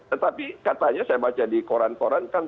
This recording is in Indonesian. tetapi katanya saya baca di koran koran kan